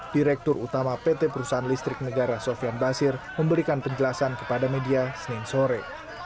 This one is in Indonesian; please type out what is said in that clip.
direktur utama pt perusahaan listrik negara sofian basir memberikan penjelasan kepada media senin sore